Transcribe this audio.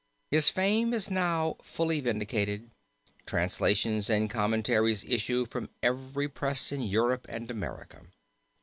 His fame is now fully vindicated. Translations and commentaries issue from every press in Europe and America.